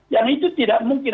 yang itu tidak mungkin